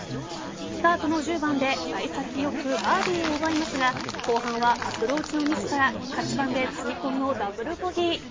スタートの１０番で幸先良くバーディーを奪いますが後半はアプローチのミスから８番で痛恨のダブルボギー。